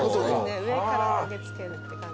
上から投げ付ける感じ。